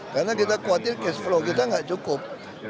karena kita khawatir cash flow kita nggak cukup